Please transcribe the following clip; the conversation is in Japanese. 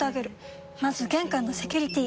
まず玄関のセキュリティ！